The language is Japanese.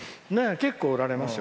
結構おられますよ。